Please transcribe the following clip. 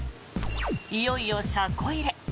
いよいよ車庫入れ。